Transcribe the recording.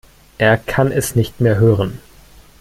Er kann es nicht mehr hören.